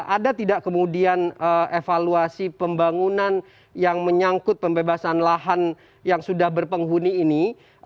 ada tidak kemudian evaluasi pembangunan yang menyangkut pembebasan lahan yang sudah berpenghuni ini